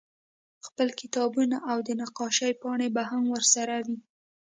خپل کتابونه او د نقاشۍ پاڼې به هم ورسره وې